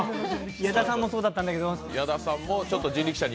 矢田さんもそうだったんだけど。